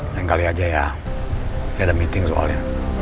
lain kali aja ya tiada meeting soalnya